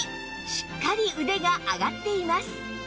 しっかり腕が上がっています